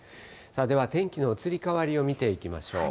では、天気の移り変わりを見ていきましょう。